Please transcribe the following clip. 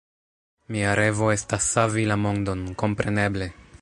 Mia revo estas savi la mondon, kompreneble!